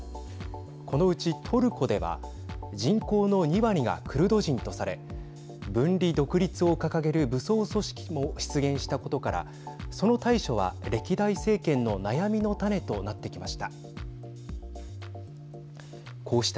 このうち、トルコでは人口の２割がクルド人とされ分離独立を掲げる武装組織も出現したことからその対処は歴代政権の悩みの種となってきました。